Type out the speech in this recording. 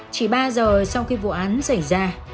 chỉ ba giờ sau khi vụ án xảy ra